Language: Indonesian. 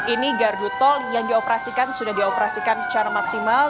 ini gardu tol yang dioperasikan sudah dioperasikan secara maksimal